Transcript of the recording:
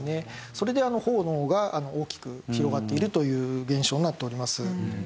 それで炎が大きく広がっているという現象になっております。